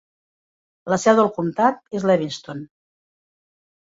La seu del comtat és Lewiston.